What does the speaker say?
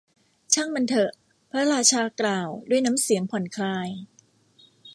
ช่างมันเถอะ พระราชากล่าว ด้วยน้ำเสียงผ่อนคลาย